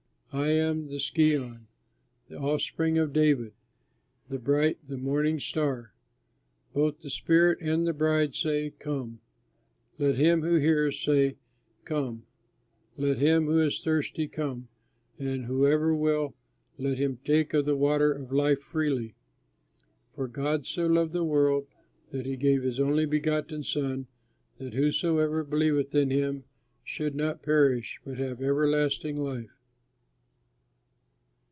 I am the Scion and Offspring of David, the bright, the Morning Star. Both the Spirit and the Bride say, 'Come.' Let him who hears say, 'Come,' let him who is thirsty come, and whoever will, let him take of the water of life freely." "For God so loved the world, that he gave his only begotten Son, that whosoever believeth in him, should not perish, but have everlasting life."